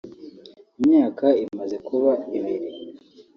imyaka imaze kuba ibiri